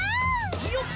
よっ！